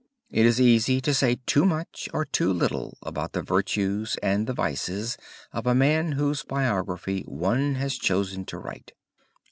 It is easy to say too much or too little about the virtues and the vices of a man whose biography one has chosen to write.